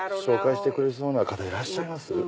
紹介してくれそうな方いらっしゃいます？